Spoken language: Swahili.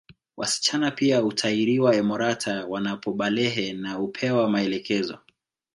Wasichana pia hutahiriwa emorata wanapobalehe na hupewa maelekezo